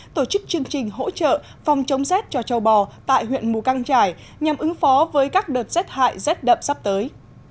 tổ chức chương trình hỗ trợ phòng chống rét cho châu bò tại huyện mù căng trải nhằm ứng phó với các đợt rét hại rét đậm sắp tới